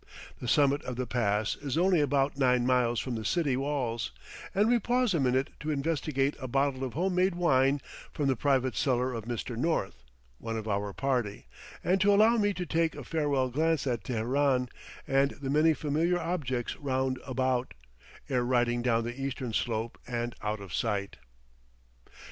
The summit of the pass is only about nine miles from the city walls, and we pause a minute to investigate a bottle of homemade wine from the private cellar of Mr. North, one of our party, and to allow me to take a farewell glance at Teheran, and the many familiar objects round about, ere riding down the eastern slope and out of sight.